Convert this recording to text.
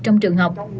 trong trường học